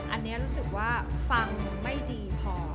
อันนี้รู้สึกว่าฟังไม่ดีพอ